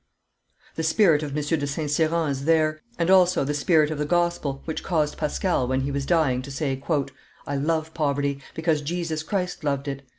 The spirit of M. de St. Cyran is there, and also the spirit of the gospel, which caused Pascal, when he was dying, to say, "I love poverty, because Jesus Christ loved it.